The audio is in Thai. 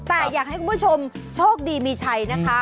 แต่อยากให้คุณผู้ชมโชคดีมีชัยนะคะ